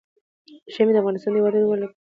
ژمی د افغانستان د هیوادوالو لپاره ویاړ دی.